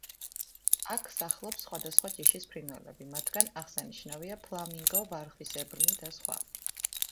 აქ სახლობს სხვადასხვა ჯიშის ფრინველები მათგან აღსანიშნავია: ფლამინგო, ვარხვისებრნი და სხვა.